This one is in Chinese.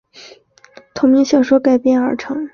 由同名小说改编而成。